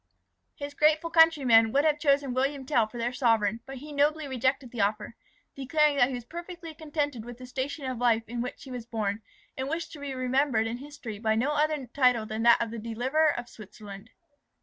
His grateful countrymen would have chosen William Tell for their sovereign, but he nobly rejected the offer, declaring that he was perfectly contented with the station of life in which he was born, and wished to be remembered in history by no other title than that of the Deliverer of Switzerland.